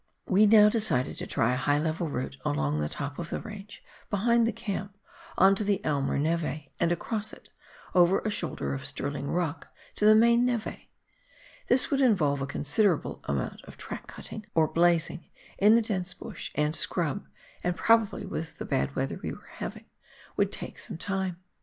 We now decided to try a high level route along the top of the range behind the camp on to the Aimer neve, and across it, over a shoulder of Stirling Rock, to the main nete. This would involve a considerable amount of track cutting or "blazing" in the dense bush and scrub, and probably, with the bad weather we were having, would take some time.